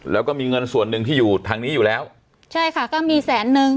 แล้วก็มีเงินส่วนหนึ่งที่อยู่ทางนี้อยู่แล้วใช่ค่ะก็มีแสนนึง